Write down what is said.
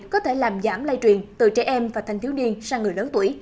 có thể làm giảm lây truyền từ trẻ em và thanh thiếu niên sang người lớn tuổi